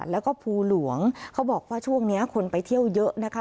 แล้วก็ภูหลวงเขาบอกว่าช่วงนี้คนไปเที่ยวเยอะนะคะ